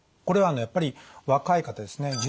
これはやっぱり若い方ですね。